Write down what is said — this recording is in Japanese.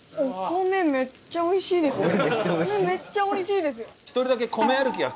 米めっちゃおいしいですよ。